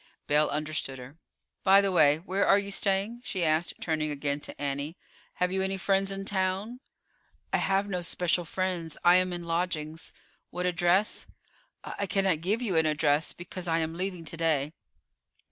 Belle understood her. "By the way, where are you staying?" she asked, turning again to Annie; "have you any friends in town?" "I have no special friends. I am in lodgings." "What address?" "I cannot give you an address, because I am leaving to day."